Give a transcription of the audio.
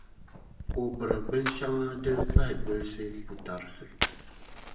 o biri binshɛŋa din pahi dolisi putarisi.